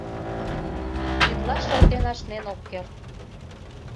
Тетла шылтен ашнен ок керт.